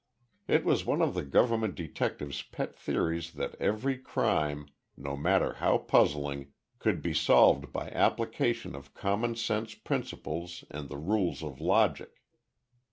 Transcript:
It was one of the government detective's pet theories that every crime, no matter how puzzling, could be solved by application of common sense principles and the rules of logic.